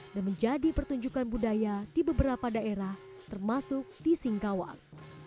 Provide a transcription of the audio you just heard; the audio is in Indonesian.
dan menjadi pertunjukan budaya di beberapa daerah termasuk di singkawang